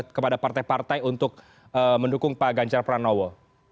kepada partai partai untuk mendukung pak ganjar pranowo